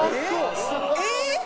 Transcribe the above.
えっ？